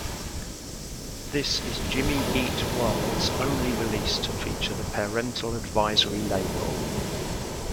This is Jimmy Eat World's only release to feature the "Parental Advisory" label.